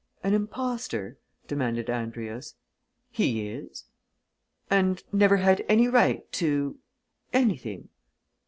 "An impostor?" demanded Andrius. "He is!" "And never had any right to anything?"